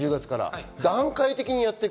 段階的にやっていく。